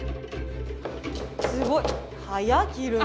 すごい！